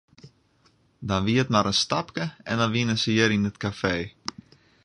Dan wie it mar in stapke en dan wienen se hjir yn it kafee.